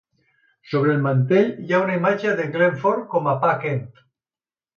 Sobre el mantell hi ha una imatge de Glenn Ford com a Pa Kent.